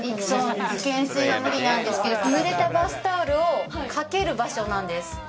懸垂は無理なんですけど、ぬれたバスタオルをかける場所なんです。